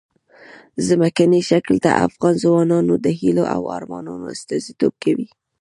ځمکنی شکل د افغان ځوانانو د هیلو او ارمانونو استازیتوب کوي.